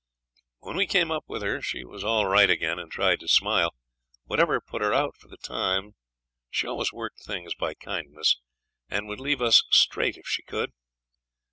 When we came up with her she was all right again, and tried to smile. Whatever put her out for the time she always worked things by kindness, and would lead us straight if she could.